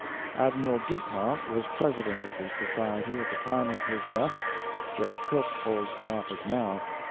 Admiral Dupont was President of the Society at the time of his death. Jay Cook holds the office now.